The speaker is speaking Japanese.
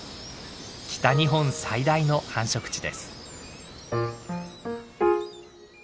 北日本最大の繁殖地です。